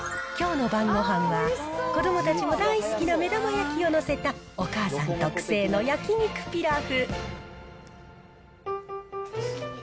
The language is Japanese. きょうの晩ごはんは、子どもたちも大好きな目玉焼きを載せた、お母さん特製の焼き肉ピラフ。